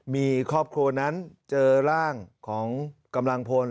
มีครอบครัวนั้นเจอร่างของกำลังพล